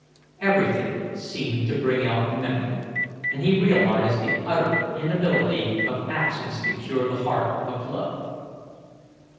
Everything seemed to bring out memory, and he realized the utter inability of absence to cure the heart of love.